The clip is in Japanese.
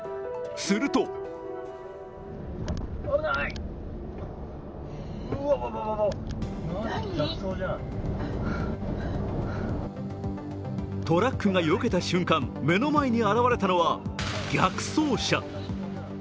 するとトラックがよけた瞬間、目の前に現れたのは逆走車。